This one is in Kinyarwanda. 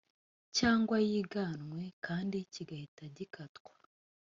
cyangwa yiganwe kandi kigahita gikatwa